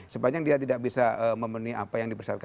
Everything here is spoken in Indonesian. sepanjang dia tidak bisa memenuhi apa yang dipersyaratkan